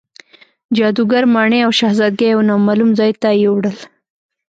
جادوګر ماڼۍ او شهزادګۍ یو نامعلوم ځای ته یووړل.